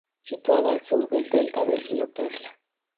Situada al sur del delta del río Perla.